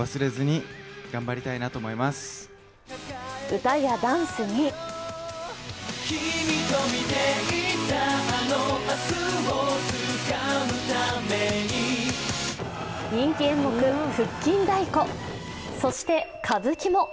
歌やダンスに人気演目・腹筋太鼓、そして歌舞伎も。